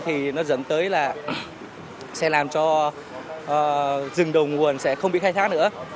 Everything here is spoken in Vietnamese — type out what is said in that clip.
thì nó dẫn tới là sẽ làm cho rừng đầu nguồn sẽ không bị khai thác nữa